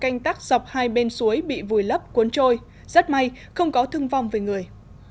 canh tắc dọc hai bên suối bị vùi lấp cuốn trôi rất may không có thương vong về người